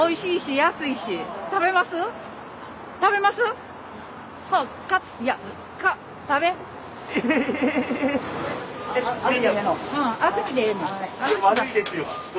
悪いですよ。